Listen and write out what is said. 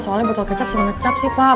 soalnya botol kecap sama ngecap sih pak